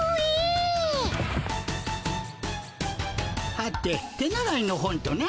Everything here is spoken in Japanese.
はて手習いの本とな？